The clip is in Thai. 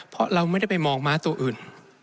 เพราะเราไม่ได้ไปมองม้าตัวอื่น